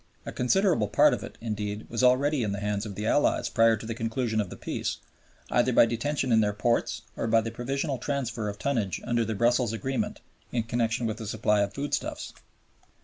A considerable part of it, indeed, was already in the hands of the Allies prior to the conclusion of Peace, either by detention in their ports or by the provisional transfer of tonnage under the Brussels Agreement in connection with the supply of foodstuffs.